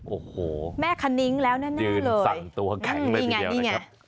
โอ้โหแม่คานิ้งแล้วแน่เลยจืนสั่งตัวแข็งไปทีเดียวนะครับ